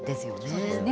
そうですね。